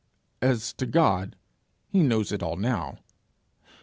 as to God, he knows it all now!